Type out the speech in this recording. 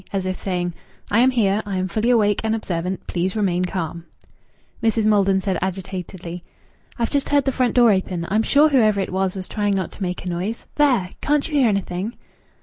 as if saying: "I am here. I am fully awake and observant. Please remain calm." Mrs. Maldon said agitatedly "I've just heard the front door open. I'm sure whoever it was was trying not to make a noise. There! Can't you hear anything?"